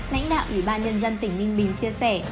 lãnh đạo ủy ban nhân dân tỉnh ninh bình chia sẻ